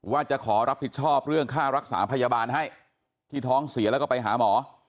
ว่าจะขอรับผิดชอบเรื่องค่ารักษาพยาบาลให้ที่ท้องเสียแล้วก็ไปหาหมอ